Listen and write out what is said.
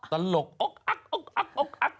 ตลกออกออกออกออกออก